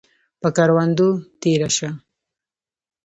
پۀ کروندو تیره شه